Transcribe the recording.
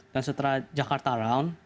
dan setelah jakarta round